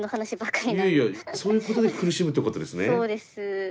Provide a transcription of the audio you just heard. そういうことで苦しむってことですね。